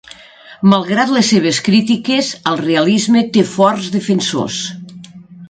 Malgrat les seves crítiques, el realisme té forts defensors.